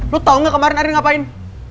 lo tau gak kemarin arin ngapain